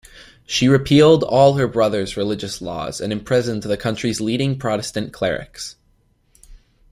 She repealed all her brother's religious laws and imprisoned the country's leading Protestant clerics.